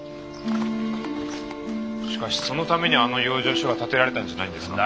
しかしそのためにあの養生所が建てられたんじゃないんですか？